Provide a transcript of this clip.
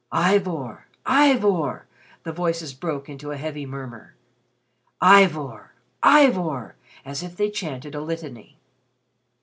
"Ivor! Ivor!" the voices broke into a heavy murmur. "Ivor! Ivor!" as if they chanted a litany.